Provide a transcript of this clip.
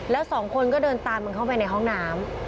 แล้วสองคนก็เดินตามมันเข้าไปในห้องน้ำ